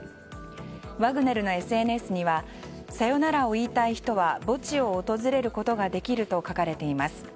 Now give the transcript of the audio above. ワグネルのＳＮＳにはさよならを言いたい人は墓地を訪れることができると書かれています。